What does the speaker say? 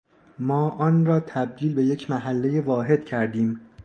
ما آن را تبدیل به یک محلهی واحد کردیم.